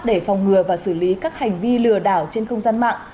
để phòng ngừa và xử lý các hành vi lừa đảo trên không gian mạng